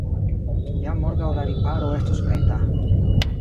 Jam morgaŭ la riparo estus preta.